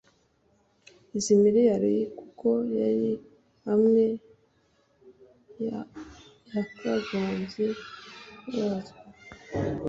izi miliyari kuko hari amwe yakagombye kubazwa